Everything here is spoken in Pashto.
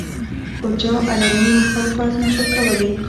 خو چا علني مخالفت نشو کولې